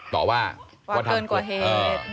ต่อว่าว่าเกินกว่าเหตุ